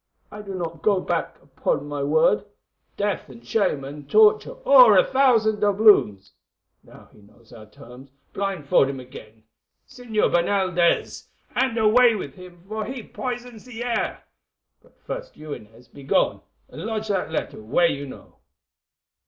"I do not go back upon my word. Death and shame and torture or a thousand doubloons. Now he knows our terms, blindfold him again, Señor Bernaldez, and away with him, for he poisons the air. But first you, Inez, be gone and lodge that letter where you know."